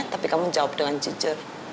tapi kamu jawab dengan jujur